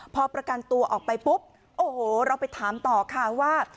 พอประกันตัวออกไปปุ๊บโอ้โหเราไปถามต่อค่ะว่า